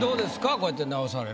こうやって直されると。